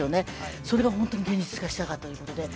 それが本当に現実化したかということで。